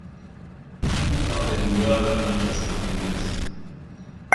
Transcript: Nu încape îndoială în această privință.